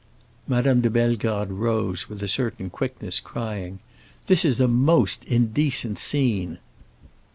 Madame de Bellegarde rose with a certain quickness, crying, "This is a most indecent scene!"